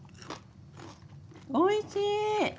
おいしい！